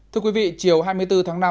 thưa quý vị chiều hai mươi bốn tháng năm